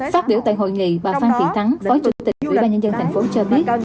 phát biểu tại hội nghị bà phan thị thắng phó chủ tịch quỹ ba nhân dân thành phố cho biết